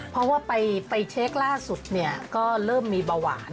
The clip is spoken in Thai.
เพราะว่าไปเช็คล่าสุดเนี่ยก็เริ่มมีเบาหวาน